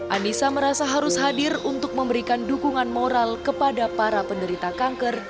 anissa merasa harus hadir untuk memberikan dukungan moral kepada para penderita kanker